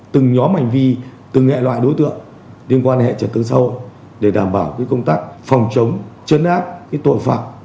từng nhóm hành vi từng hệ loại đối tượng liên quan đến hệ trật tự sâu để đảm bảo công tác phòng chống chấn áp tội phạm